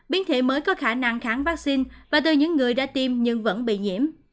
biến thể mới có khả năng kháng vaccine và từ những người đã tiêm nhưng vẫn bị nhiễm